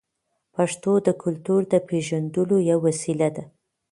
پښتو د کلتور د پیژندلو یوه وسیله ده.